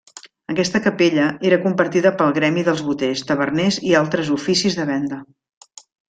Aquesta capella, era compartida pel gremi dels boters, taverners i altres oficis de venda.